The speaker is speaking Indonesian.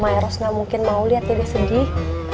ma eros gak mungkin mau liat dede sedih